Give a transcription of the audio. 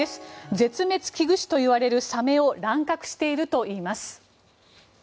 絶滅危惧種といわれるサメを乱獲しているといいます。